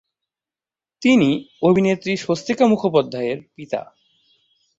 তিনি অভিনেত্রী স্বস্তিকা মুখোপাধ্যায়ের পিতা।